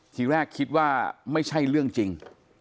ทีแรกคิดว่าไม่ใช่เรื่องจริง